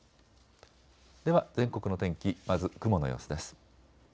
では全国の天気まず雲の様子です。